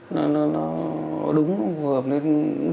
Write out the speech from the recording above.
nó đúng nó hợp nên frogs